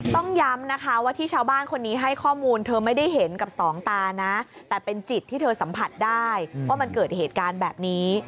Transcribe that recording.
ต้องย้ำนะคะว่าที่ชาวบ้านคนนี้ให้ข้อมูลเธอไม่ได้เห็นกับสองตานะแต่เป็นจิตที่เธอสัมผัสได้ว่ามันเกิดเหตุการณ์แบบนี้